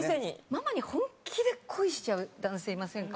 ママに本気で恋しちゃう男性いませんか？